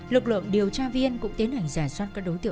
lực lượng điều tra viên cũng tiến hành giả soát các đối tượng nghi vấn